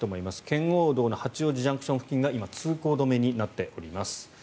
圏央道の八王子ＪＣＴ付近が今、通行止めになっています。